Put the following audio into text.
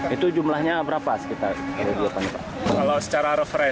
itu jumlahnya berapa sekitar